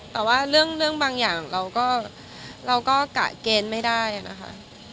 แต่ว่าเรื่องบางอย่างเราก็กะเกณฑ์ไม่ได้นะคะ